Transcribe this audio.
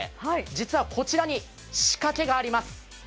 実はこちらに仕掛けがあります。